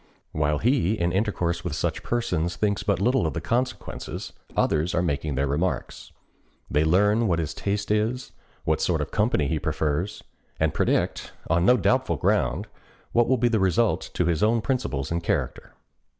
While he, in intercourse with such persons, thinks but little of the consequences, others are making their remarks. They learn what his taste is, what sort of company he prefers, and predict, on no doubtful ground, what will be the result to his own principles and character.